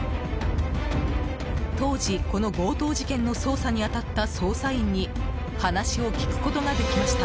当時この強盗事件の捜査に当たった捜査員に話を聞くことができました。